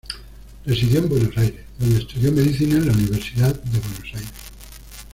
Residió en Buenos Aires, donde estudió medicina en la Universidad de Buenos Aires.